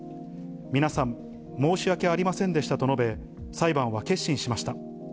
皆さん、申し訳ありませんでしたと述べ、裁判は結審しました。